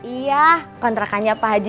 iya kontrakannya pak haji